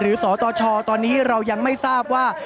สตชตอนนี้เรายังไม่ทราบว่า